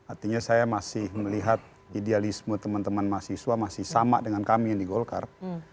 artinya saya masih melihat idealisme teman teman mahasiswa masih sama dengan kami yang di golkar